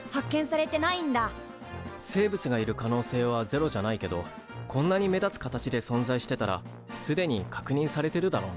生物がいる可能性はゼロじゃないけどこんなに目立つ形で存在してたらすでに確認されてるだろうな。